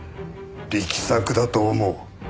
力作だと思う。